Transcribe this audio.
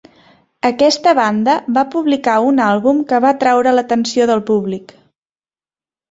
Aquesta banda va publicar un àlbum que va atraure l'atenció del públic.